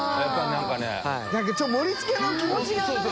燭盛り付けの気持ちが何か。